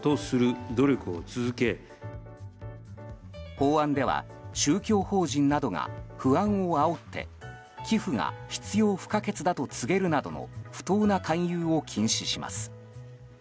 法案では宗教法人などが不安をあおって寄付が必要不可欠だと告げるなどの不当な勧誘を禁止します。